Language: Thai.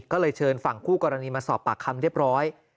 ก็เลยเชิญฝั่งคู่กรณีมาสอบปากคำเรียบร้อย